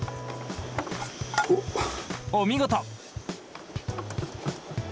お見事！